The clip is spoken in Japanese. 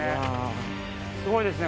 すごいですね。